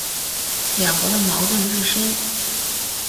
两国的矛盾日深。